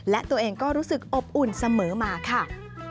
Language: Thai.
และตัวเองก็รู้สึกอบอุ่นเสมอมาค่ะ